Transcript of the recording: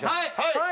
はい！